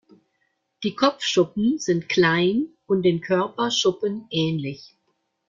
Die Kopfschuppen sind klein und den Körperschuppen ähnlich.